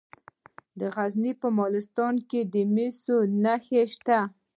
د غزني په مالستان کې د مسو نښې شته.